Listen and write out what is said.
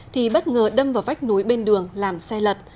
thì bất ngờ đâm vào vách núi bên đường làm xe lật